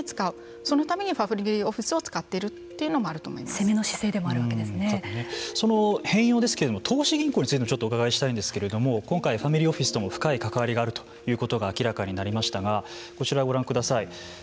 そのためにファミリーオフィスを使っているというのもある攻めの姿勢でもその変容ですけれども投資銀行についてもお伺いしたいんですけど今回ファミリーオフィスとも深い関わりがあるということが明らかになりましたがこちらをご覧ください。